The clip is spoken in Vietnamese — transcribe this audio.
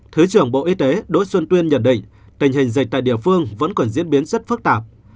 thứ trưởng bộ y tế đỗ xuân tuyên nhận định tình hình dịch tại địa phương vẫn còn diễn biến rất phức tạp